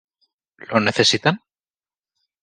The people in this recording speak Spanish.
Lo necesitan?